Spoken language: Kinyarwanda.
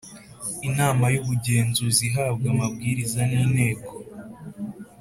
Inama y ubugenzuzi ihabwa amabwiriza n inteko